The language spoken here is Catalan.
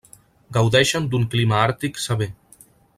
Gaudeixen d'un clima àrtic sever.